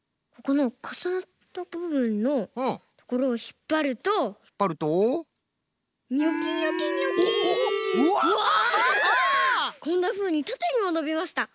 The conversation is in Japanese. こんなふうにたてにものびました。